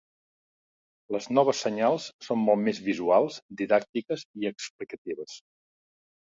Les noves senyals són molt més visuals, didàctiques i explicatives.